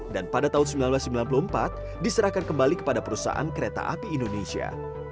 dan pada tahun seribu sembilan ratus sembilan puluh empat diserahkan kembali kepada perusahaan kereta api indonesia